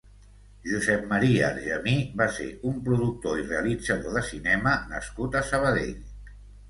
Josep Maria Argemí va ser un productor i realitzador de cinema nascut a Sabadell.